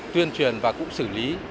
tuyên truyền và cũng xử lý